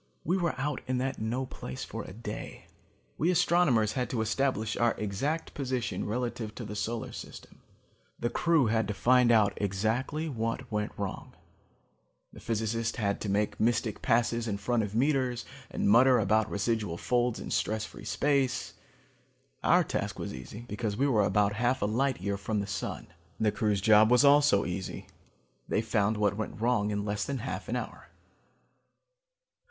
"We were out in that no place for a day. We astronomers had to establish our exact position relative to the solar system. The crew had to find out exactly what went wrong. The physicists had to make mystic passes in front of meters and mutter about residual folds in stress free space. Our task was easy, because we were about half a light year from the sun. The crew's job was also easy: they found what went wrong in less than half an hour.